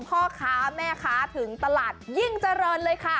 พ่อค้าแม่ค้าถึงตลาดยิ่งเจริญเลยค่ะ